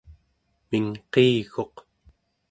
mingqiiguq